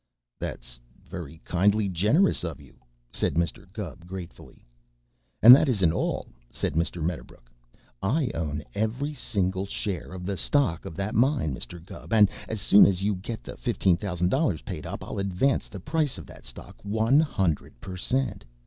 "That's very kindly generous of you," said Mr. Gubb gratefully. "And that isn't all," said Mr. Medderbrook. "I own every single share of the stock of that mine, Mr. Gubb, and as soon as you get the fifteen thousand dollars paid up I'll advance the price of that stock one hundred per cent!